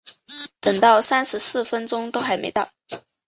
等到三十四分都还没到